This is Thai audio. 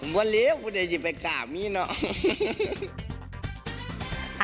ผมว่าเล่นก็ได้จะไปกะมิกิก